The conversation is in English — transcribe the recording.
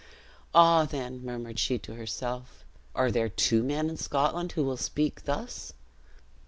"Ah! then," murmured she to herself, "are there two men in Scotland who will speak thus?"